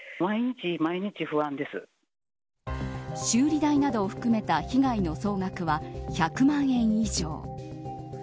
修理代なども含めた被害の総額は１００万円以上。